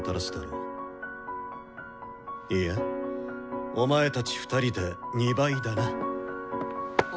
いやお前たち２人で２倍だな。